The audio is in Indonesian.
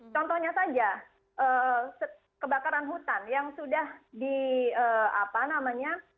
contohnya saja kebakaran hutan yang sudah di apa namanya